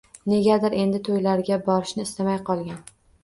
Negadir endi toʻylarga borishni istamay qolgan